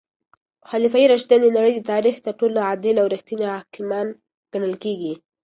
خلفای راشدین د نړۍ د تاریخ تر ټولو عادل او رښتیني حاکمان ګڼل کیږي.